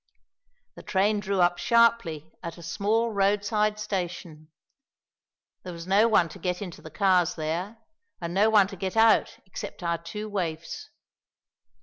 The train drew up sharply at a small road side station. There was no one to get into the cars there, and no one to get out except our two waifs.